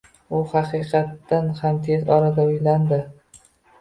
U haqiqatan ham tez orada uylandi